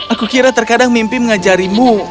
aku kira terkadang mimpi mengajarimu